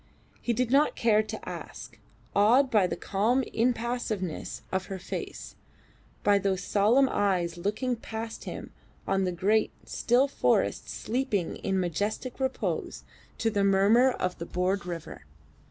He did not care to ask, awed by the calm impassiveness of her face, by those solemn eyes looking past him on the great, still forests sleeping in majestic repose to the murmur of the broad river.